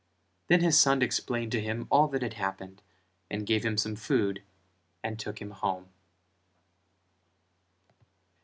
Then his son explained to him all that had happened and gave him some food and took him home.